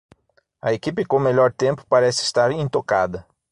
A equipe com o melhor tempo parece estar intocada.